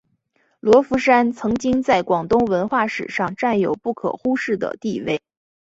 罗浮山曾经在广东文化史上占有不可忽视的地位。